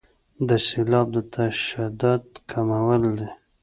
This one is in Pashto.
د سیلاب د شدت کمول دي.